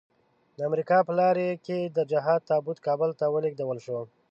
د امريکا په لارۍ کې د جهاد تابوت کابل ته ولېږدول شو.